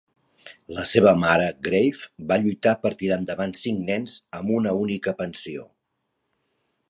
La seva mare Grave va lluitar per tirar endavant cinc nens amb una única pensió.